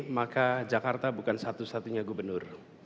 maka jakarta bukan satu satunya gubernur